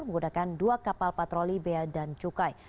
menggunakan dua kapal patroli bea dan cukai